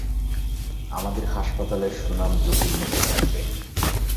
আমাদের হাসপাতালের সুনাম ঝুঁকির মধ্যে থাকবে।